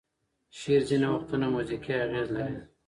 شعر ځینې وختونه موزیکي اغیز لري.